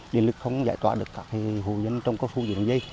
điện lực không giải tỏa được các hồ nhân trong cao su dưới đường dây